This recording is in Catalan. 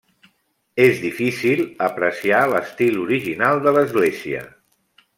És difícil apreciar l'estil original de l'església.